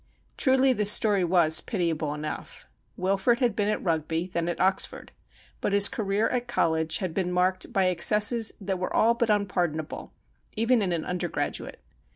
Truly the story was pitiable enough. Wilfrid had been at Eugby, then at Oxford, but his career at college had been marked by excesses that were all but unpardonable, even in an undergraduate.